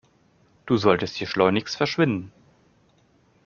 Du solltest hier schleunigst verschwinden.